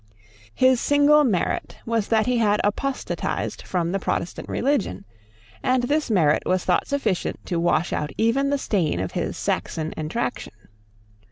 His single merit was that he had apostatized from the Protestant religion; and this merit was thought sufficient to wash out even the stain of his Saxon extraction.